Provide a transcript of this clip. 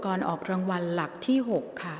กรรมการท่านที่ห้าได้แก่กรรมการใหม่เลขเก้า